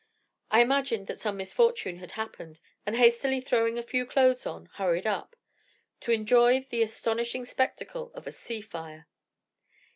I imagined that some misfortune had happened, and hastily throwing a few clothes on, hurried up to enjoy the astonishing spectacle of a "sea fire."